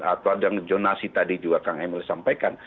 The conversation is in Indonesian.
atau ada yang jonasi tadi juga kang emil sampaikan